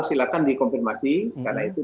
silakan dikonfirmasi karena itu